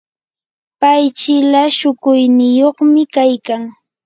pay chila shukuyniyuqmi kaykan.